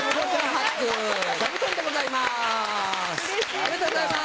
おめでとうございます！